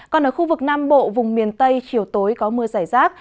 còn ở khu vực nam bộ vùng miền tây chiều tối có mưa giải rác